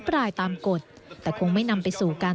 ๑๗ล้านคน